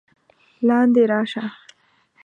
لاندې راشه!